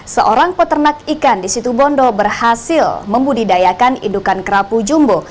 seorang peternak ikan di situ bondo berhasil membudidayakan indukan kerapu jumbo